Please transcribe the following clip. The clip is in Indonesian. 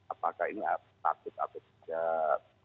apakah ini takut atau tidak